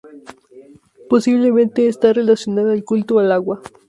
Posiblemente este relacionada al culto al agua.